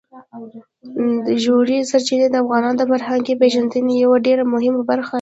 ژورې سرچینې د افغانانو د فرهنګي پیژندنې یوه ډېره مهمه برخه ده.